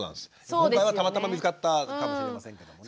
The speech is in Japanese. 今回はたまたま見つかったかもしれませんけどもね。